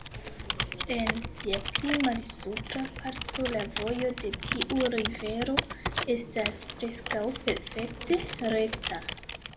En sia pli malsupra parto la vojo de tiu rivero estas preskaŭ perfekte rekta.